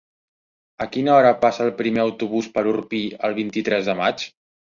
A quina hora passa el primer autobús per Orpí el vint-i-tres de maig?